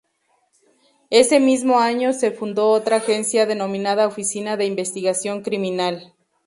Ese mismo año se fundó otra agencia denominada Oficina de Investigación Criminal.